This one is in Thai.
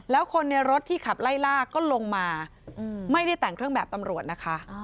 แล้วคนในรถที่ขับไล่ล่าก็ลงมาไม่ได้แต่งเครื่องแบบตำรวจนะคะ